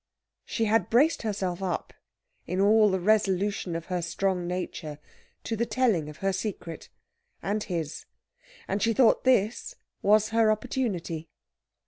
She had braced herself up, in all the resolution of her strong nature, to the telling of her secret, and his; and she thought this was her opportunity.